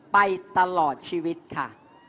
ไปตลอดชีวิตค่ะ